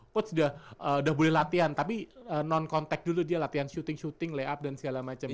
coach udah boleh latihan tapi non contact dulu dia latihan shooting shooting layup dan segala macam gitu